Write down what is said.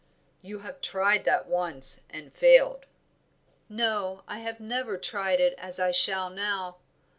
"You have tried that once, and failed." "No, I have never tried it as I shall now.